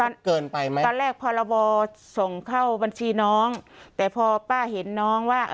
มันเกินไปไหมตอนแรกพรบส่งเข้าบัญชีน้องแต่พอป้าเห็นน้องว่า